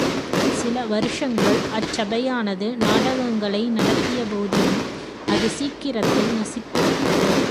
சில வருஷங்கள் அச் சபையானது நாடகங்களை நடத்திய போதிலும் அது சீக்கிரத்தில் நசித்து விட்டது.